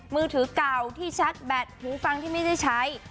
มือถือเก่าที่ชัดแบตหูฟังที่ไม่ได้ใช้